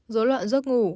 dối loạn giấc ngủ